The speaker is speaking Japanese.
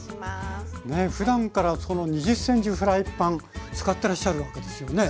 ふだんから２０ｃｍフライパン使ってらっしゃるわけですよね？